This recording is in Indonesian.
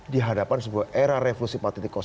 di hadapan sebuah era revolusi empat